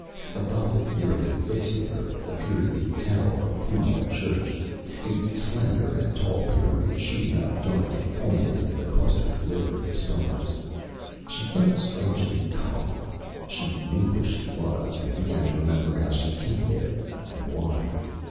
Above it, nearly facing her, appeared the tower of Ploumar Church; a slender and tall pyramid shooting up dark and pointed into the clustered glitter of the stars. She felt strangely calm. She knew where she was, and began to remember how she came there and why.